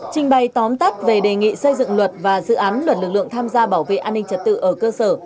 trình bày tóm tắt về đề nghị xây dựng luật và dự án luật lực lượng tham gia bảo vệ an ninh trật tự ở cơ sở